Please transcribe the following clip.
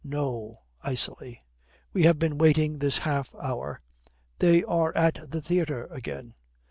'No,' icily. 'We have been waiting this half hour. They are at the theatre again.'